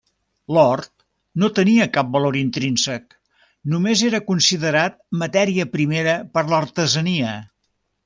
L'or no tenia cap valor intrínsec; només era considerat matèria primera per a l'artesania.